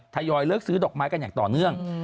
ทยอยเลิกซื้อดอกไม้กันอย่างต่อเนื่อง